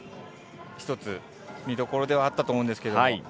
１つ、見どころではあったと思うんですけど。